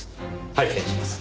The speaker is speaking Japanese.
拝見します。